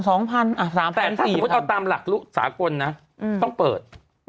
แต่ถ้าสมมุติเอาตามหลักสากลนะต้องเปิด